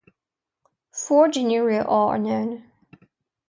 Four genera are known.